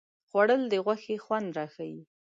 خوړل د غوښې خوند راښيي